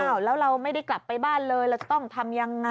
แล้วเราไม่ได้กลับไปบ้านเลยเราจะต้องทำยังไง